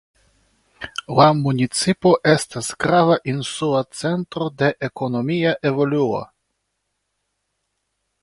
La municipo estas grava insula centro de ekonomia evoluo.